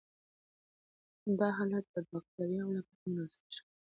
دا حالت د باکټریاوو لپاره مناسب ښکاري.